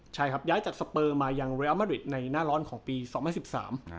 ใช่ครับย้ายจากสเปอร์มายังเรียลมาริดในหน้าร้อนของปีสองพันสิบสาม